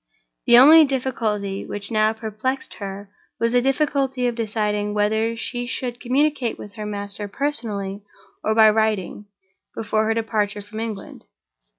The only difficulty which now perplexed her was the difficulty of deciding whether she should communicate with her master personally or by writing, before her departure from England.